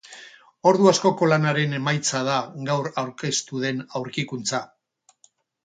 Ordu askoko lanaren emaitza da gaur aurkeztu den aurkikuntza.